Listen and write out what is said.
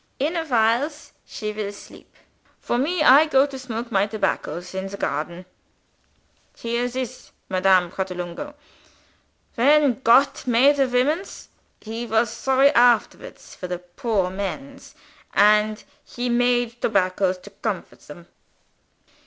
In a whiles, she will sleep. For me, I go to smoke my tobaccos in the garden. Hear this, Madame Pratolungo. When Gott made the womens, he was sorry afterwards for the poor mens and he made tobaccos to comfort them."